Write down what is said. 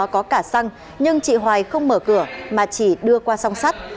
có cả xăng nhưng chị hoài không mở cửa mà chỉ đưa qua song sắt